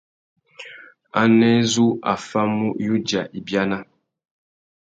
Anē zu a famú yudza ibiana?